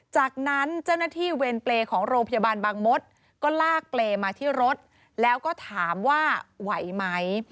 จากนั้นเจ้าหน้าที่เวรเปรย์ของโรงพยาบาลบางมดก็ลากเปรย์มาที่รถแล้วก็ถามว่าไหวไหม